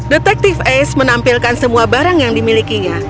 detective ace menampilkan semua barang yang dimilikinya